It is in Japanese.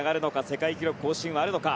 世界記録更新はあるのか。